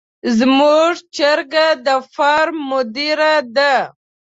زموږ چرګه د فارم مدیره ده.